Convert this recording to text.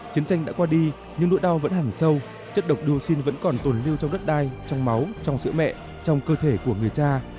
chiến tranh đã qua đi nhưng nỗi đau vẫn hẳn sâu chất độc dioxin vẫn còn tồn lưu trong đất đai trong máu trong sữa mẹ trong cơ thể của người cha